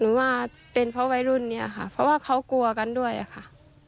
ว่าเป็นเพราะวัยรุ่นนี้ค่ะเพราะว่าเขากลัวกันด้วยค่ะ